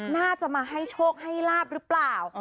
น่าจะมาให้โชคให้ลาบหรือเปล่า